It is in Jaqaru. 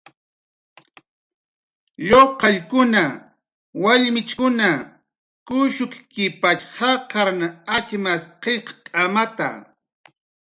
Lluqallkuna, wallmichkun kushukkipatx jaqarn atxmas qillqt'amata.